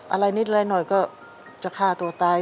อะไรนิดอะไรหน่อยก็จะฆ่าตัวตาย